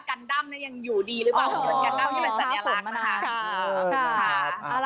กันด้ำยังอยู่ดีหรือเปล่ามันสัญลักษณ์นะครับ